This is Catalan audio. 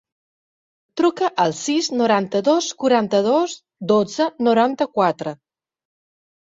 Truca al sis, noranta-dos, quaranta-dos, dotze, noranta-quatre.